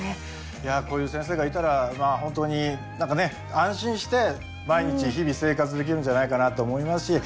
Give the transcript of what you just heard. いやこういう先生がいたら本当に何かね安心して毎日日々生活できるんじゃないかなと思いますし。